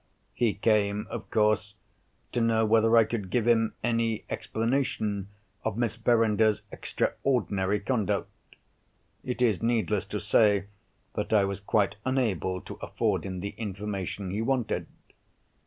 He came, of course, to know whether I could give him any explanation of Miss Verinder's extraordinary conduct. It is needless to say that I was quite unable to afford him the information he wanted.